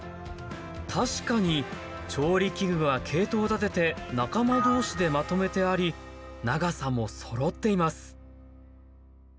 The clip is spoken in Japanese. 確かに調理器具は系統立てて仲間同士でまとめてあり長さもそろっています。